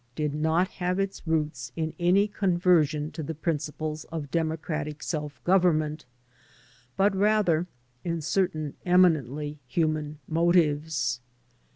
'* did not have its roots in any conversion to the principles of democratic self government, but rather in certain eminently human motives.